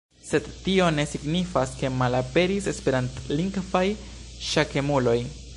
Sed tio ne signifas ke malaperis esperantlingvaj ŝakemuloj.